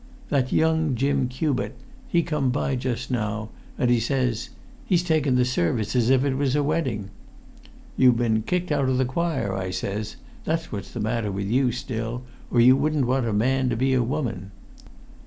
That young Jim Cubitt, he come by just now, and says he, 'He's taking the service as if it was a wedding.' 'You've been kicked out of the choir,' I says; 'that's what's the matter with you still, or you wouldn't want a man to be a woman.